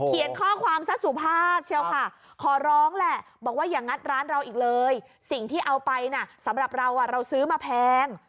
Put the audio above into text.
ข้อความซะสุภาพเชียวค่ะขอร้องแหละบอกว่าอย่างงัดร้านเราอีกเลยสิ่งที่เอาไปนะสำหรับเราเราซื้อมาแพง